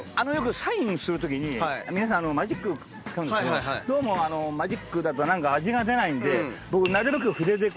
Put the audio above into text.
サインするときに皆さんマジック使うんですけどどうもマジックだと何か味が出ないんで僕。